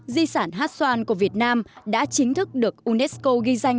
di sản hát xoan của việt nam đã chính thức được unesco ghi danh